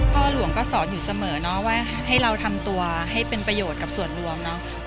พ่อหลวงก็สอนอยู่เสมอเนาะว่าให้เราทำตัวให้เป็นประโยชน์กับส่วนรวมเนาะ